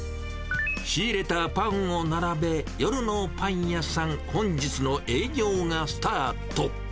仕入れたパンを並べ、夜のパン屋さん、本日の営業がスタート。